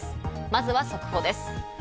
まずは速報です。